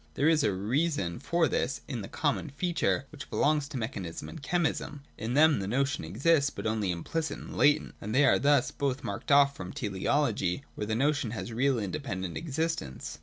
There is a reason for this in the common feature which belongs to mechanism and chemism. In them the notion exists, but only implicit and latent, and they are thus both marked off from teleology where the notion has real independent existence.